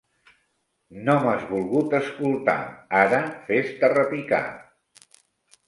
No m'has volgut escoltar; ara, fes-te repicar!